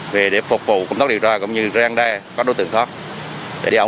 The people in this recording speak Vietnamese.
về để phục vụ công tác điều tra cũng như rèn đe các đối tượng thoát